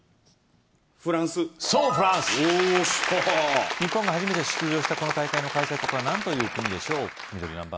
フランスそうフランス日本が初めて出場したこの大会の開催国は何という国でしょう緑何番？